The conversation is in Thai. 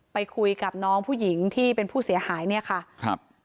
ไปคุยกับน้องผู้หญิงที่เป็นผู้เสียหายเนี่ยค่ะครับ